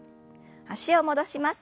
脚を戻します。